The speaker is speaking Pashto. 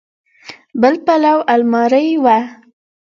بل پلو المارۍ وه.